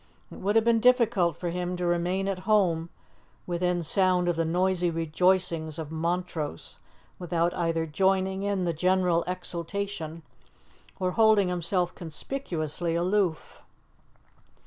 It would have been difficult for him to remain at home within sound of the noisy rejoicings of Montrose without either joining in the general exultation or holding himself conspicuously aloof.